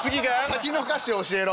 先の歌詞教えろ。